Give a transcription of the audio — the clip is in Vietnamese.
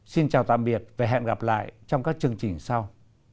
xin chào tạm biệt và hẹn gặp lại trong các chương trình sau